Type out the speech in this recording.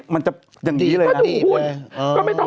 มันจะอย่างนี้เลยนะคุณ